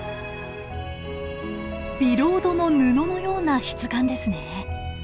ビロードの布のような質感ですね。